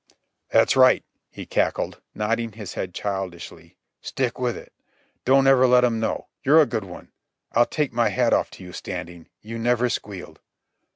"That's right," he cackled, nodding his head childishly. "Stick with it. Don't ever let'm know. You're a good one. I take my hat off to you, Standing. You never squealed."